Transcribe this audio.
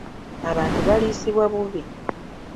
Abantu baliisibwa bubi.